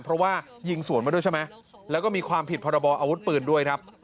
เพราะว่ายิงสวนมาด้วยใช่ไหมแล้วก็มีความผิดพรบออาวุธปืนด้วยครับ